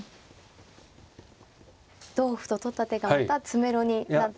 同歩と取った手がまた詰めろになって。